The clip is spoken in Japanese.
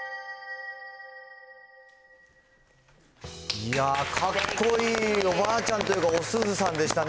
いやー、かっこいいおばあちゃんというか、おスズさんでしたね。